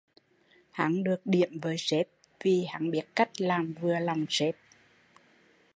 Hắn được điểm với sếp vì hắn biết cách làm vừa lòng sếp